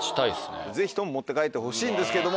ぜひとも持って帰ってほしいんですけども。